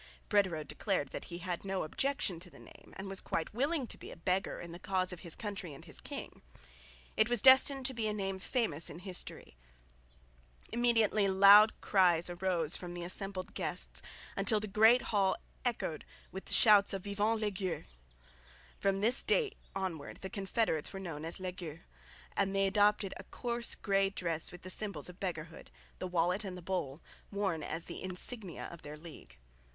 Brederode declared that he had no objection to the name and was quite willing to be "a beggar" in the cause of his country and his king. It was destined to be a name famous in history. Immediately loud cries arose from the assembled guests, until the great hall echoed with the shouts of Vivent les Gueux. From this date onwards the confederates were known as "les gueux," and they adopted a coarse grey dress with the symbols of beggarhood the wallet and the bowl worn as the insignia of their league.